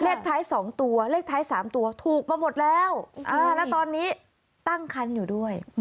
เลขท้าย๒ตัวเลขท้าย๓ตัวถูกมาหมดแล้วแล้วตอนนี้ตั้งคันอยู่ด้วย